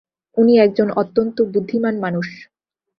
উনি একজন অত্যন্ত বুদ্ধিমান মানুষ।